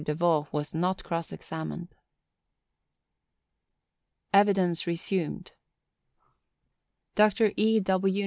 Deveaux was not cross examined. Evidence resumed. _Dr. E. W.